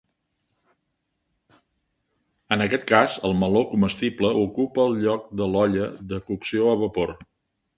En aquest cas, el meló comestible ocupa el lloc de l'olla de cocció al vapor.